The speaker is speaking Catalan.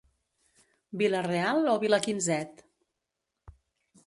Vila-real o vila quinzet?